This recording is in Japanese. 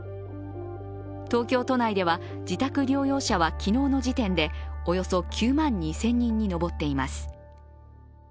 東京都内では自宅療養者は昨日の時点でおよそ９万２０００人に上っています。